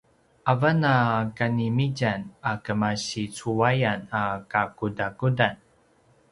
avan a kanimitjan a kemasi cuayan a kakudakudan